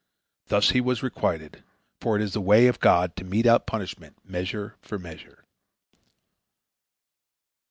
Thus he was requited, for it is the way of God to mete out punishment measure for measure.